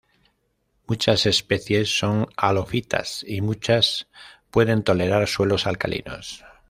Muchas especies son halófitas y muchas pueden tolerar suelos alcalinos.